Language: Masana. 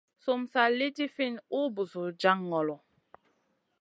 Sum sa lì ɗifinʼ ùh busun jaŋ ŋolo.